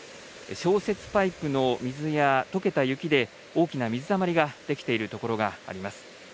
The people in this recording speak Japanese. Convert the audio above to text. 消雪パイプの水やとけた雪で大きな水たまりができている所があります。